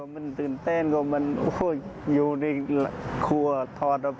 มันตื่นเต้นมันอยู่ในครัวทอด